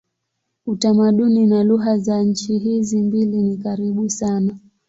Utamaduni na lugha za nchi hizi mbili ni karibu sana.